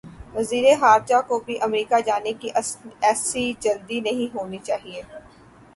وزیر خارجہ کو بھی امریکہ جانے کی ایسی جلدی نہیں ہونی چاہیے۔